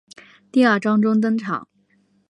第二章中登场。